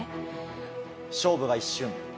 勝負は一瞬。